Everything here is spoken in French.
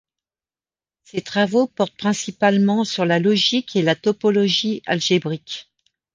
Ses travaux portent principalement sur la logique et la topologie algébrique.